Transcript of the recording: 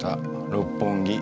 六本木。